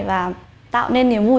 và tạo nên niềm vui